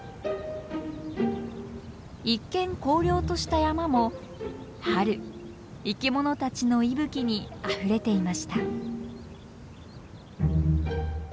一見荒涼とした山も春生きものたちの息吹にあふれていました。